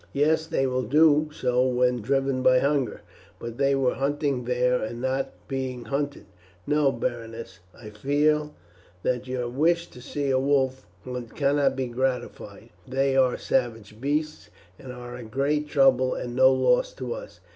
"Yes, they will do so when driven by hunger; but they were hunting then and not being hunted. No, Berenice, I fear that your wish to see a wolf hunt cannot be gratified; they are savage beasts, and are great trouble and no loss to us.